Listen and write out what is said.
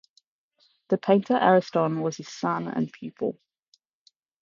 The painter Ariston was his son and pupil.